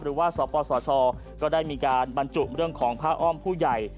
หรือว่าสปสชก็ได้มีการบรรจุเรื่องของผ้าอ้อมผู้ใหญ่